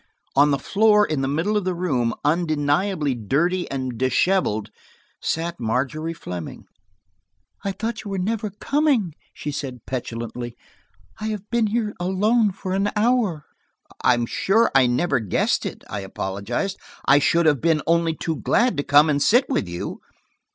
On the floor in the middle of the room, undeniably dirty and dishevelled, sat Margery Fleming. "I thought you were never coming," she said petulantly. "I have been here alone for an hour." "I'm sure I never guessed it," I apologized. "I should have been only too glad to come and sit with you."